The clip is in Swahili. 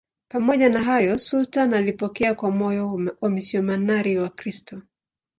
Pamoja na hayo, sultani alipokea kwa moyo wamisionari Wakristo.